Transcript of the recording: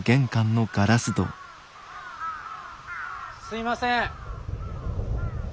すいません。